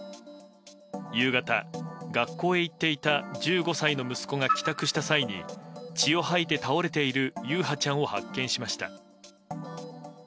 夕方、学校へ行っていた１５歳の息子が帰宅した際に血を吐いて倒れている優陽ちゃんを発見しました。